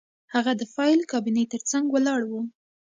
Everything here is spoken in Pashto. هغه د فایل کابینې ترڅنګ ولاړ و